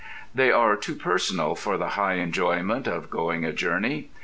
They are too personal for the high enjoyment of going a journey.